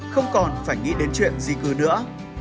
không còn phải nghĩ đến chuyện di cư nữa